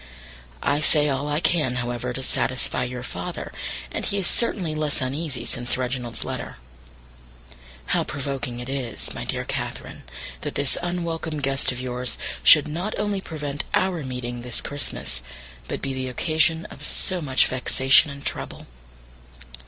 I say all I can, however, to satisfy your father, and he is certainly less uneasy since Reginald's letter. How provoking it is, my dear Catherine, that this unwelcome guest of yours should not only prevent our meeting this Christmas, but be the occasion of so much vexation and trouble!